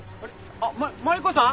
あっマリコさん？